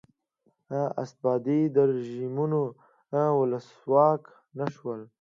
استبدادي رژیمونو ولسواک نه شول.